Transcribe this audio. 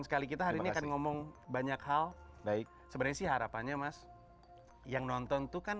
sekali kita hari ini akan ngomong banyak hal baik sebenarnya sih harapannya mas yang nonton tuh kan